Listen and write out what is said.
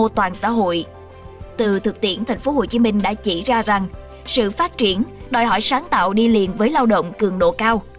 từ thực tiễn thành phố hồ chí minh đã chỉ ra rằng sự phát triển đòi hỏi sáng tạo đi liền với lao động cường độ cao